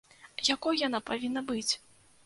Якой яна павінна быць?